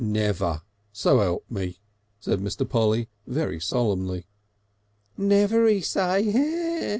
"Never. Swelpme," said Mr. Polly very solemnly. "Never, 'E say!"